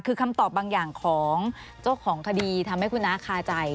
คือคำตอบบางอย่างของเจ้าของคดีทำให้คุณน้าคาใจ